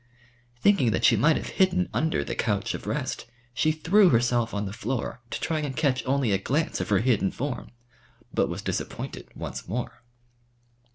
Thinking that she might have hidden under the couch of rest, she threw herself on the floor to try and catch only a glance of her hidden form, but was disappointed once more.